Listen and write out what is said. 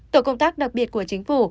tổ công tác đặc biệt của chính phủ